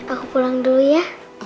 aku pulang dulu ya